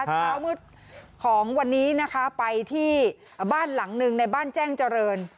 เช้ามืดของวันนี้นะคะไปที่บ้านหลังหนึ่งในบ้านแจ้งเจริญ